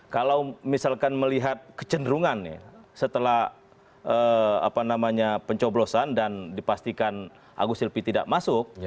kalau misalkan melihat kecenderungan setelah pencoblosan dan dipastikan agus silpi tidak masuk